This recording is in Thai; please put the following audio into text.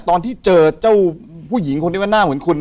ตอนที่เจอเจ้าผู้หญิงคนที่ว่าหน้าเหมือนคุณ